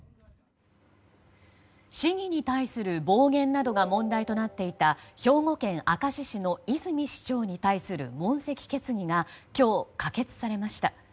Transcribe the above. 市議に対する暴言などが問題となっていた兵庫県明石市の泉市長に対する問責決議が今日、可決されました。